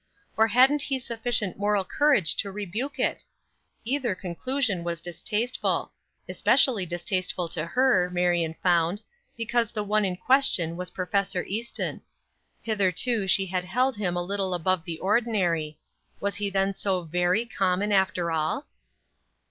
or hadn't he sufficient moral courage to rebuke it? Either conclusion was distasteful; especially distasteful to her, Marion found, because the one in question was Prof. Easton. Hitherto she had held him a little above the ordinary. Was he then so very common after all?